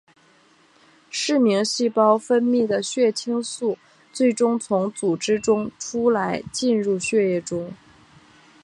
嗜铬细胞分泌的血清素最终从组织中出来进入血液中。